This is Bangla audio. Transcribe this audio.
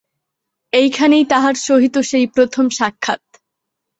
এইখানেই তাহার সহিত সেই প্রথম সাক্ষাৎ।